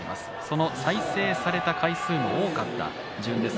その再生された回数の多かった順です。